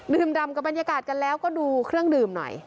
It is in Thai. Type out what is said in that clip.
ดำกับบรรยากาศกันแล้วก็ดูเครื่องดื่มหน่อย